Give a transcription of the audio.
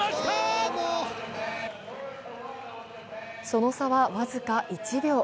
その差は僅か１秒。